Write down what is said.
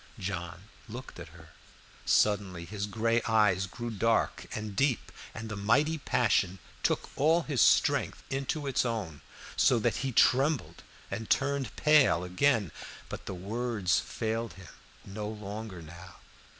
John looked at her; suddenly his gray eyes grew dark and deep, and the mighty passion took all his strength into its own, so that he trembled and turned pale again. But the words failed him no longer now.